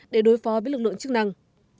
để đối phó với lực lượng chức năng